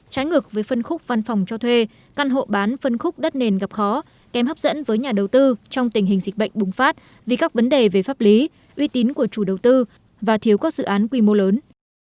trái ngược với phân khúc văn phòng cho thuê căn hộ bán phân khúc đất nền gặp khó kém hấp dẫn với nhà đầu tư trong tình hình dịch bệnh bùng phát vì các vấn đề về pháp lý uy tín của chủ đầu tư và thiếu các dự án quy mô lớn